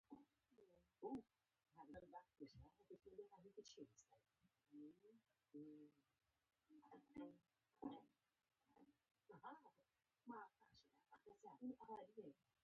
ما ورته وویل: سمه ده، چې ته نه خوښوې.